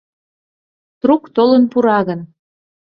— Трук толын пура гын?